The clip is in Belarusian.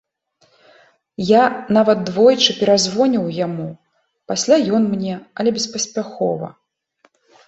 Я нават двойчы перазвоньваў яму, пасля ён мне, але беспаспяхова.